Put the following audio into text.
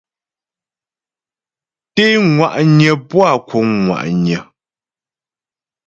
Té ŋwa'nyə puá kǔŋ ŋwa'nyə.